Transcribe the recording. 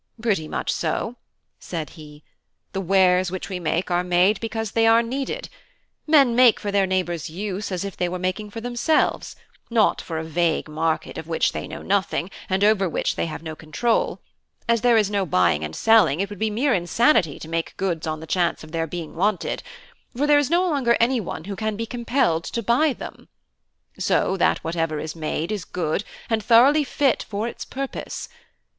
"Pretty much so," said he. "The wares which we make are made because they are needed: men make for their neighbours' use as if they were making for themselves, not for a vague market of which they know nothing, and over which they have no control: as there is no buying and selling, it would be mere insanity to make goods on the chance of their being wanted; for there is no longer anyone who can be compelled to buy them. So that whatever is made is good, and thoroughly fit for its purpose.